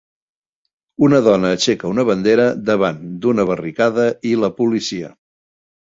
Una dona aixeca una bandera davant d'una barricada i la policia.